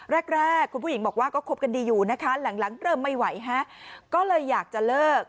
แรกคุณผู้หญิงบอกว่าก็คบกันดีอยู่นะคะหลังเริ่มไม่ไหวฮะก็เลยอยากจะเลิก